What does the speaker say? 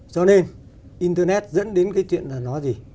cho nên internet dẫn đến cái chuyện là nói gì